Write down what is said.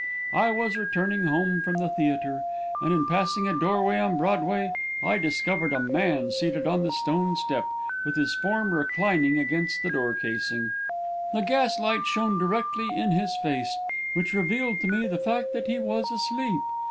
I was returning home from the theatre, and in passing a door way in Broadway, I discovered a man seated on the stone step, with his form reclining against the door casing. The gas light shone directly in his face, which revealed to me the fact that he was asleep.